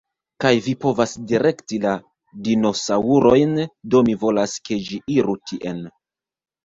Kaj vi povas direkti la dinosaŭrojn, do mi volas, ke ĝi iru tien.